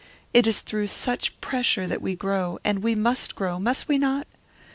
It is through such pressure that we grow, and we must grow, must we not?